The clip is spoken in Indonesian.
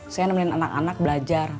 saya nemuin anak anak belajar